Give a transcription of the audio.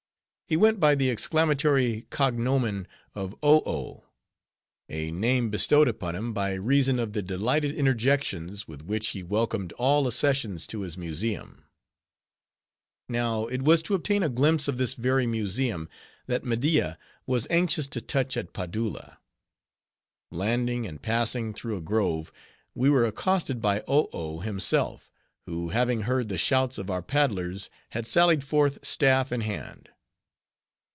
He went by the exclamatory cognomen of "Oh Oh;" a name bestowed upon him, by reason of the delighted interjections, with which he welcomed all accessions to his museum. Now, it was to obtain a glimpse of this very museum, that Media was anxious to touch at Padulla. Landing, and passing through a grove, we were accosted by Oh Oh himself; who, having heard the shouts of our paddlers, had sallied forth, staff in hand.